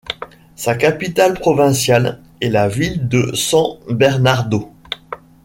Sa capitale provinciale est la ville de San Bernardo.